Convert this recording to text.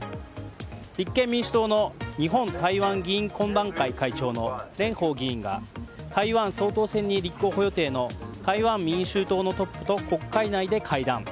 立憲民主党の日本・台湾議員懇談会会長の蓮舫議員が台湾総統選に立候補予定の台湾民衆党のトップと国会内で会談。